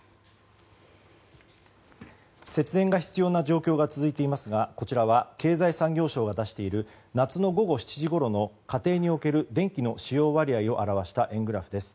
節電が必要な状況が続いていますがこちらは経済産業省が出している夏の午後７時ごろの家庭における電気の使用割合を表した円グラフです。